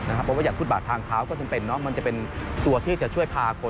เพราะว่าอย่างฟุตบาททางเท้าก็จำเป็นมันจะเป็นตัวที่จะช่วยพาคน